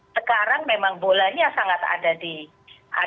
sekarang memang bolanya sangat ada sih